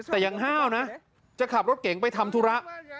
แต่ยังห้าวนะจะขับรถเก๋งไปทำธุระ